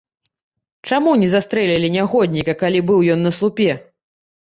Чаму не застрэлілі нягодніка, калі быў ён на слупе?